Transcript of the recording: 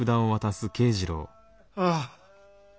ああ。